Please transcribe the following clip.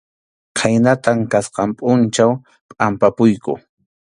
Khaynatam kasqan pʼunchaw pʼampapuyku.